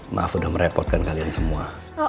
maaf sudah merepotkan kalian semua